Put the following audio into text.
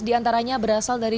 di antaranya berasal dari